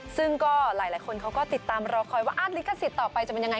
ซึ่งก็หลายคนเขาก็ติดตามรอคอยว่าลิขสิทธิ์ต่อไปจะเป็นยังไง